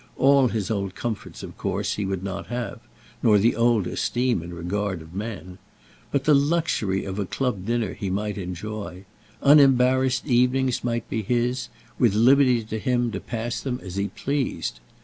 All his old comforts of course he would not have, nor the old esteem and regard of men. But the luxury of a club dinner he might enjoy. Unembarrassed evenings might be his, with liberty to him to pass them as he pleased.